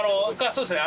そうですね。